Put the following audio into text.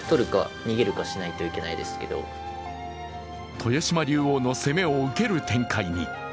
豊島竜王の攻めを受ける展開に。